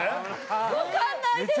分かんないです